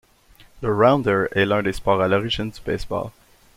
Le rounders est l'un des sports à l'origine du baseball.